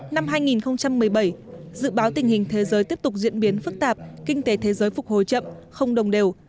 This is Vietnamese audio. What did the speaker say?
năm hai nghìn một mươi bảy dự báo tình hình thế giới tiếp tục diễn biến phức tạp kinh tế thế giới phục hồi chậm không đồng đều